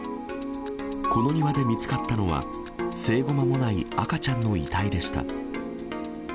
この庭で見つかったのは、生後間もない赤ちゃんの遺体でした。